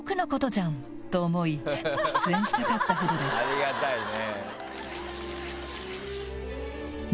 ありがたいね。